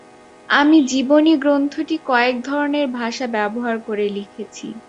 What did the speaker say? আমি জীবনী গ্রন্থটি কয়েক ধরনের ভাষা ব্যবহার করে লিখেছি।